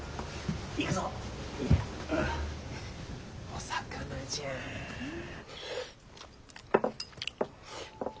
お魚じゃん。